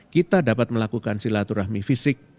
kita dapat melakukan silaturahmi fisik